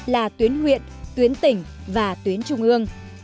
là tuyến huyện tuyến tỉnh và tuyến trung ương